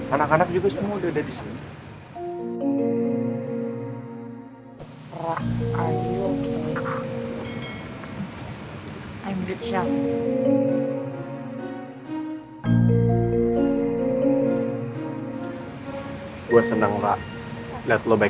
anak anak juga semua udah ada disini